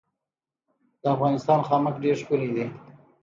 د افغانستان خامک ډیر ښکلی دی